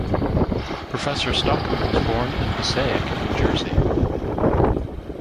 Professor Stockham was born in Passaic, New Jersey.